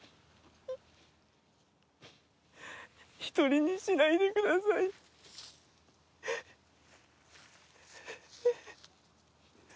一人にしないでください。